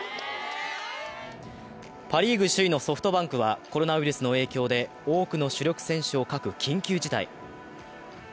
パ・リーグ首位のソフトバンクはコロナウイルスの影響で多くの主力選手を欠く緊急事態。